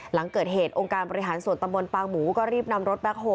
หลังเกิดเหตุองค์การบริหารส่วนตำบลปางหมูก็รีบนำรถแบ็คโฮ